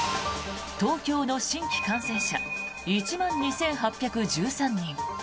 東京の新規感染者１万２８１３人。